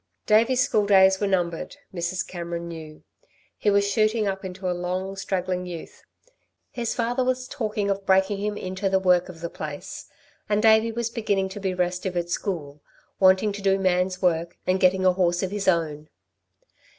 Davey's school days were numbered, Mrs. Cameron knew. He was shooting up into a long, straggling youth. His father was talking of breaking him into the work of the place, and Davey was beginning to be restive at school, wanting to do man's work and get a horse of his own.